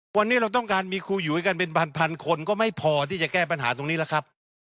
วันนี้เราต้องการมีครูหยุยกันเป็นพันคนก็ไม่พอที่จะแก้ปัญหาตรงนี้แล้วครับ